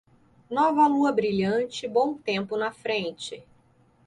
Nova lua brilhante, bom tempo na frente.